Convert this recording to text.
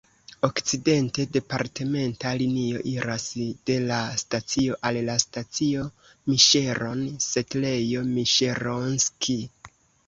Okcidente departementa linio iras de la stacio al la stacio Miŝeron (setlejo Miŝeronski).